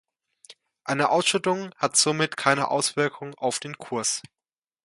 Eine Ausschüttung hat somit keine Auswirkung auf den Kurs.